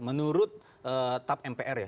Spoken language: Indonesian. menurut tab mpr ya